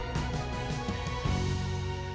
shahak hatia perang